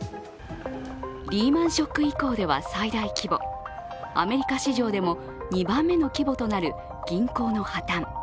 リーマン・ショック以降では最大規模、アメリカ史上でも２番目の規模となる銀行の破綻。